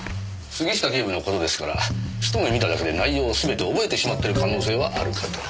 杉下警部の事ですから一目見ただけで内容を全て覚えてしまってる可能性はあるかと。